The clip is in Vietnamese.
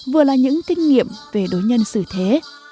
vừa là những kinh nghiệm về đối nhân xử thế